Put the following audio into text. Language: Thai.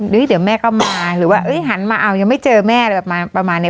เดี๋ยวแม่ก็มาหรือว่าหันมาเอายังไม่เจอแม่อะไรประมาณนี้